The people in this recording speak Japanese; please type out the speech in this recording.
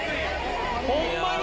ホンマに？